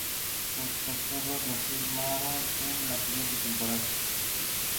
Los Cachorros lo firmaron en la siguiente temporada.